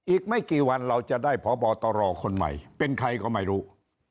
อีกไม่กี่วันเราจะได้พบตรคนใหม่เป็นใครก็ไม่รู้